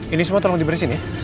ini semua tolong diberi sini ya